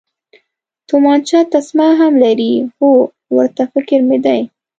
تومانچه تسمه هم لري، هو، ورته فکر مې دی.